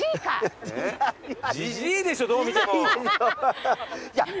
じじいでしょどう見ても。